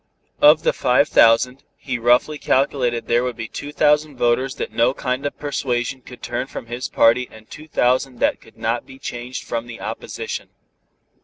Of the five thousand, he roughly calculated there would be two thousand voters that no kind of persuasion could turn from his party and two thousand that could not be changed from the opposition.